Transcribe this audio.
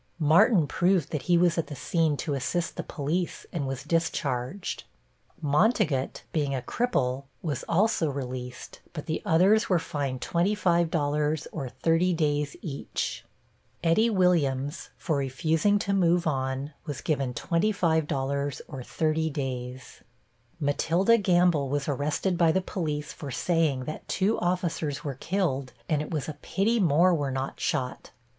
Martin proved that he was at the scene to assist the police and was discharged. Montegut, being a cripple, was also released, but the others were fined $25 or thirty days each. Eddie Williams for refusing to move on was given $25 or thirty days. Matilda Gamble was arrested by the police for saying that two officers were killed and it was a pity more were not shot.